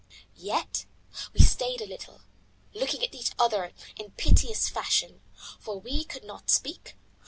Yet we stayed a little, looking at each other in piteous fashion, for we could not speak.